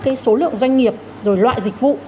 cái số lượng doanh nghiệp rồi loại dịch vụ